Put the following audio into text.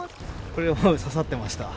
これ、刺さってました。